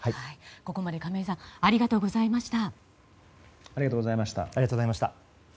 ここまで亀井さんありがとうございました。